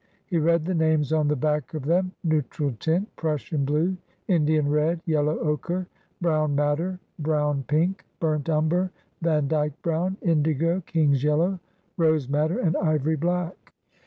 He read the names on the back of them: Neutral Tint, Prussian Blue, Indian Red, Yellow Ochre, Brown Madder, Brown Pink, Burnt Umber, Vandyke Brown, Indigo, King's Yellow, Rose Madder, and Ivory Black.